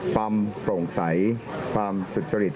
ความโปร่งใสความสุจริต